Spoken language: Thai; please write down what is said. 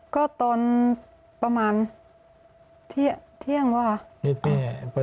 ก็ตอนประมาณเที่ยงว่า